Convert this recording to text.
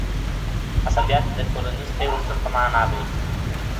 عصبیت د ټولنیز پیوستون په معنی دی.